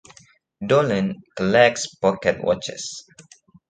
Dolan collects pocket watches.